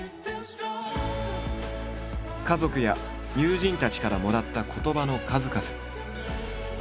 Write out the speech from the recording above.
家族や友人たちからもらった言葉の数々。